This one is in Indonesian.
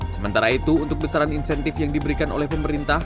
sementara itu untuk besaran insentif yang diberikan oleh pemerintah